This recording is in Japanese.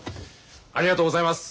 ありがとうございます！